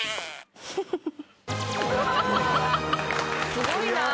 すごいな。